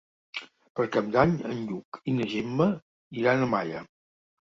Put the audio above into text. Per Cap d'Any en Lluc i na Gemma iran a Malla.